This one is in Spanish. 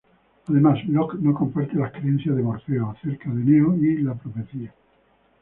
Además, Lock no comparte las creencias de Morfeo acerca de Neo y la Profecía.